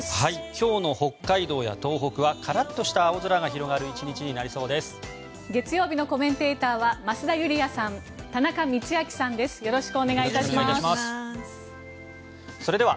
今日の北海道や東北はカラッとした青空が広がる１日になりそうです。